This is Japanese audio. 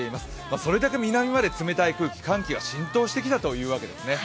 それだけ南まで冷たい空気、寒気が浸透してきたということですね。